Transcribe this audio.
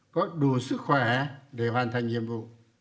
có đủ sức khỏe để hoàn thành nhiệm vụ